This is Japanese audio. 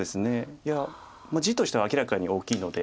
いや地としては明らかに大きいので。